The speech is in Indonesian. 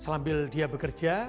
selambil dia bekerja